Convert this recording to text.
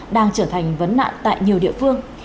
đang trở thành vấn nạn tại nhiều địa phương